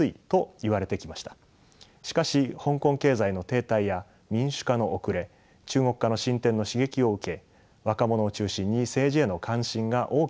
しかし香港経済の停滞や民主化の遅れ中国化の進展の刺激を受け若者を中心に政治への関心が大きく高まりました。